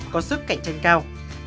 có sức cạnh tranh cao